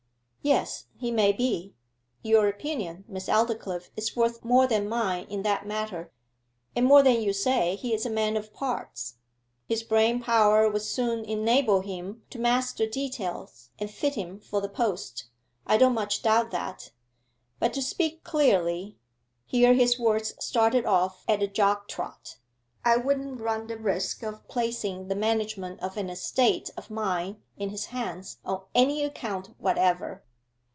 'Yes; he may be your opinion, Miss Aldclyffe, is worth more than mine in that matter. And more than you say, he is a man of parts his brain power would soon enable him to master details and fit him for the post, I don't much doubt that. But to speak clearly' (here his words started off at a jog trot) 'I wouldn't run the risk of placing the management of an estate of mine in his hands on any account whatever.